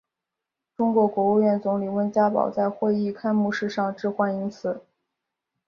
中国国务院总理温家宝在会议开幕式上致欢迎辞。